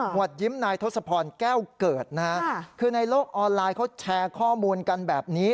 วดยิ้มนายทศพรแก้วเกิดนะฮะคือในโลกออนไลน์เขาแชร์ข้อมูลกันแบบนี้